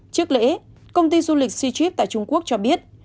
trước lễ công ty du lịch c trip tại trung quốc cho biết